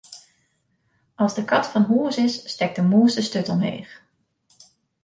As de kat fan hûs is, stekt de mûs de sturt omheech.